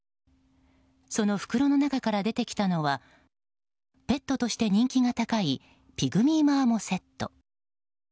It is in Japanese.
その袋の中から出てきたのはペットとして人気が高いピグミーマーモセット。